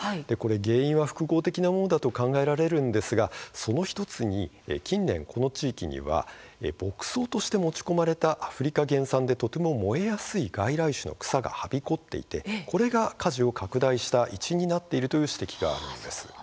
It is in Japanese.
原因は複合的なものとされますけれどもその１つに近年、この地域では牧草として持ち込まれたアフリカ原産のとても燃えやすい外来種の草が、はびこっていてこれが火事を拡大した一因だとも指摘されているんです。